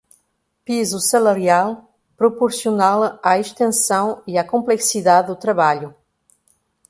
piso salarial proporcional à extensão e à complexidade do trabalho;